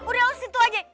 udah lo situ aja